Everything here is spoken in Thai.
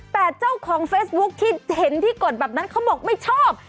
แต่เจ้าของเฟซบุ๊คที่เห็นที่กดแบบนั้นเขาบอกไม่ชอบ